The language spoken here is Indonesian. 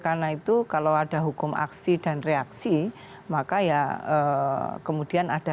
karena itu kalau ada hukum aksi dan reaksi maka ya kemudian ada